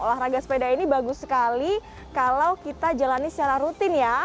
olahraga sepeda ini bagus sekali kalau kita jalani secara rutin ya